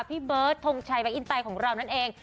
พี่เบิร์ดทงชัยแบ็คอินไตของเรานั่นเอง